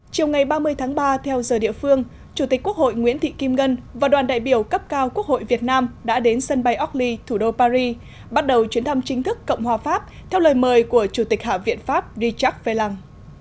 chiều ngày ba mươi tháng ba theo giờ địa phương chủ tịch quốc hội nguyễn thị kim ngân và đoàn đại biểu cấp cao quốc hội việt nam đã đến sân bay orly thủ đô paris bắt đầu chuyến thăm chính thức cộng hòa pháp theo lời mời của chủ tịch hạ viện pháp richard vellang